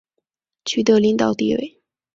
取得领导地位